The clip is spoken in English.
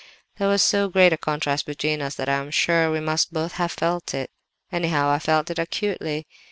There was so great a contrast between us that I am sure we must both have felt it; anyhow, I felt it acutely.